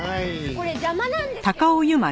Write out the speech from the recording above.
これ邪魔なんですけど！